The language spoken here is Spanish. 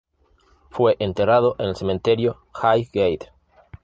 Fue enterrado en el cementerio Highgate.